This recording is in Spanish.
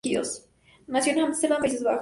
Nació en Ámsterdam, Países Bajos.